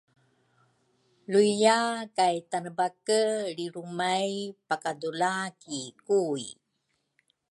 luiya kay Tanebake lrilrumay pakadula ki Kui.